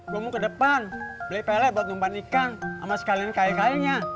gua mau ke depan beli pelet buat umpan ikan sama sekalian kain kainnya